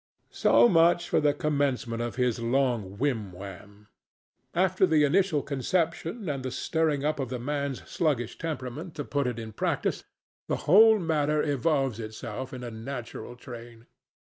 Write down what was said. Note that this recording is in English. So much for the commencement of this long whim wham. After the initial conception and the stirring up of the man's sluggish temperament to put it in practice, the whole matter evolves itself in a natural train.